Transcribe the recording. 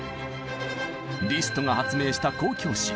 リストが発明した「交響詩」。